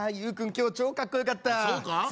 今日超かっこよかったそうか？